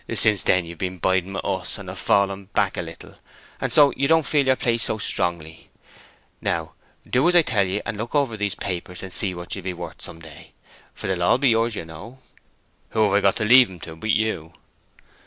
Since then you've been biding with us, and have fallen back a little, and so you don't feel your place so strongly. Now, do as I tell ye, and look over these papers and see what you'll be worth some day. For they'll all be yours, you know; who have I got to leave 'em to but you?